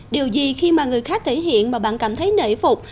điều gì khi mà người khác thể hiện mà bạn cảm thấy nể phục